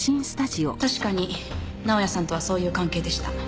確かに直哉さんとはそういう関係でした。